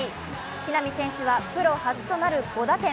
木浪選手はプロ初となる５打点。